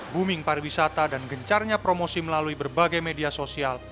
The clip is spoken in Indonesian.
booming pariwisata dan gencarnya promosi melalui berbagai media sosial